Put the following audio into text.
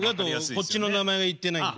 こっちの名前は言ってないんで。